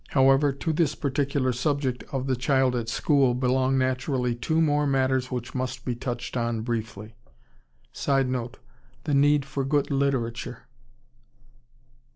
However, to this particular subject of "The Child at School" belong naturally two more matters which must be touched on briefly. [Sidenote: The need for good literature.